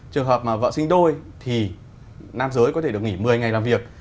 trường hợp mà vợ sinh đôi thì nam giới có thể được nghỉ một mươi ngày làm việc